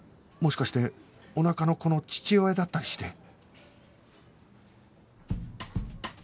もしかしておなかの子の父親だったりして